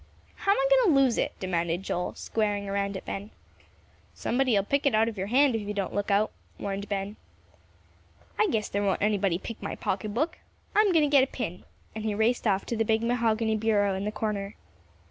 "How am I going to lose it?" demanded Joel, squaring around at Ben. "Somebody'll pick it out of your hand if you don't look out," warned Ben. "I guess there won't anybody pick my pocket book. I'm going to get a pin," and he raced off to the big mahogany bureau in the corner.